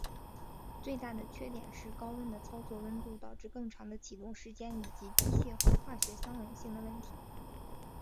最大的缺点是高温的操作温度导致更长的启动时间以及机械和化学相容性的问题。